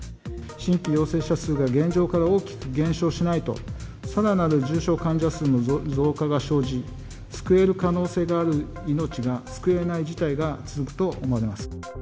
新規陽性者数が現状から大きく減少しないと、さらなる重症患者数の増加が生じ、救える可能性がある命が救えない事態が続くと思われます。